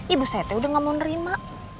ibu saya teh udah nggak mau nerima